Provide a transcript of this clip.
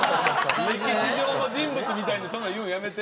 歴史上の人物みたいにそんなん言うんやめて。